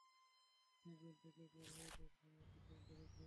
সে জেলে থেকে বের হয়ে তার সীমা অতিক্রম করেছে।